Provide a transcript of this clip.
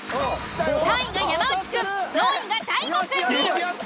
３位が山内くん４位が大悟くんに。